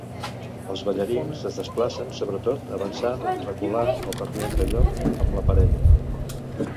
Els ballarins es desplacen sobretot avançant, reculant o canviant de lloc amb la parella.